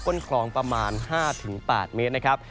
้นคลองประมาณ๕๘เมตรนะครับ